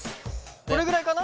これぐらいかな。